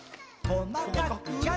こまかく。